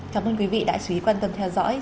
cảm ơn quý vị đã chú ý quan tâm theo dõi